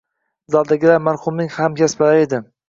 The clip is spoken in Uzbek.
Zaldagilar marhumning hamkasblari edi